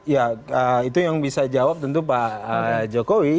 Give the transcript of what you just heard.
ya itu yang bisa jawab tentu pak jokowi